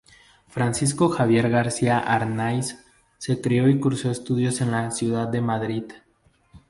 Francisco Javier García Arnáiz se crio y cursó estudios en la ciudad de Madrid.